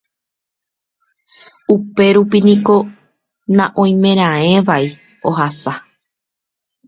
Upérupi niko naoimeraẽvai ohasa.